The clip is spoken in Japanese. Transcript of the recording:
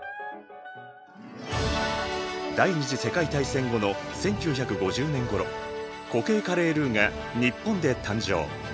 第２次世界大戦後の１９５０年ごろ固形カレールーが日本で誕生。